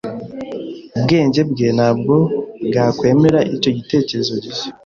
Ubwenge bwe ntabwo bwakwemera icyo gitekerezo gishya.